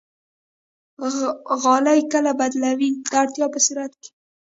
غالۍ کله بدلوئ؟ د اړتیا په صورت کې